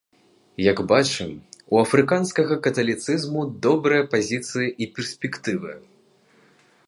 Як бачым, у афрыканскага каталіцызму добрыя пазіцыі і перспектывы.